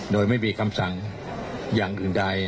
โดยไม่มีคำสั่งอย่างอื่นใด